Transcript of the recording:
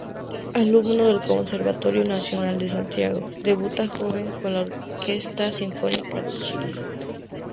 Alumno del Conservatorio Nacional de Santiago, debuta joven con la Orquesta Sinfónica de Chile.